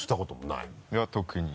いや特に。